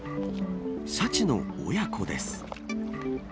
シャチの親子です。